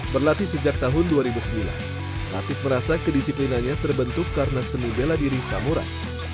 berlatih sejak tahun dua ribu sembilan latif merasa kedisiplinannya terbentuk karena seni bela diri samurai